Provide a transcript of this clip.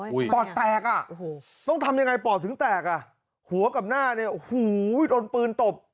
อ่ะอุ้ยปอดแตกอ่ะต้องทำยังไงปอดถึงแตกอ่ะหัวกับหน้าเนี่ยโหวิดล้นปืนตบ